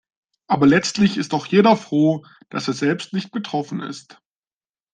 Aber letztlich ist doch jeder froh, dass er selbst nicht betroffen ist.